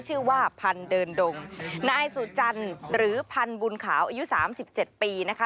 ชื่อว่าพันธุ์เดินดงนายสุจรรย์หรือพันธุ์บุญขาวอายุ๓๗ปีนะคะ